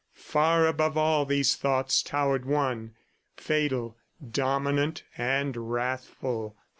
Far above all these thoughts towered one, fatal, dominant and wrathful.